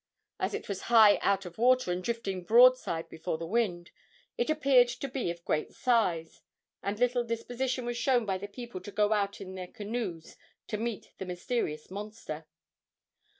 As it was high out of water and drifting broadside before the wind, it appeared to be of great size, and little disposition was shown by the people to go out in their canoes to meet the mysterious monster.